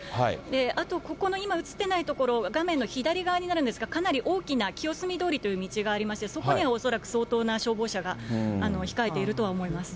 あと、ここの今映ってないところ、画面の左側になるんですが、かなり大きな、清澄通りという道がありまして、そこには恐らく相当な消防車が控えているとは思います。